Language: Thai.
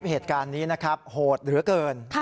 เหตุการณ์นี้นะครับโหดเหลือเกิน